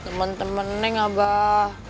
temen temen neng abah